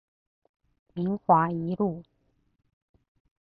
明華一路